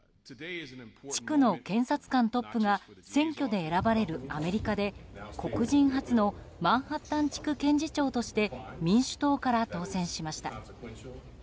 地区の検察官トップが選挙で選ばれるアメリカで黒人初のマンハッタン地区検事長として民主党から当選しました。